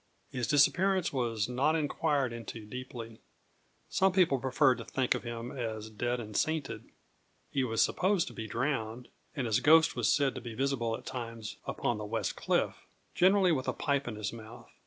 His disappearance was not inquired into deeply. Some people preferred to think of him as dead and sainted. He was supposed to be drowned, and his ghost was said to be visible at times upon the West Cliff generally with a pipe in his mouth.